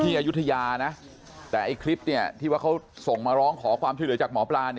ที่อยุธยานะแต่ไอ้คลิปเนี่ยที่ว่าเขาส่งมาร้องขอความช่วยเหลือจากหมอปลาเนี่ย